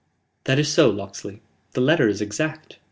"That is so, Locksley. The letter is exact."